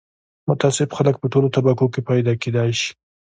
متعصب خلک په ټولو طبقو کې پیدا کېدای شي